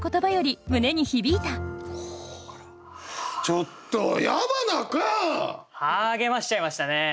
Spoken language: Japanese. ちょっと矢花君！励ましちゃいましたね。